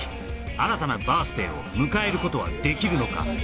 新たなバース・デイを迎えることはできるのか？